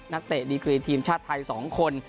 เตะดีกรีทีมชาติไทย๒คน